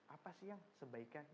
apa sih yang sebaiknya